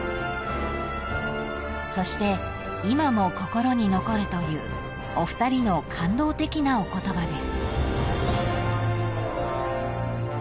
［そして今も心に残るというお二人の感動的なお言葉です］